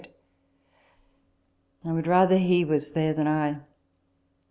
I would rather he was there than I.